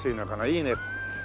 いいね。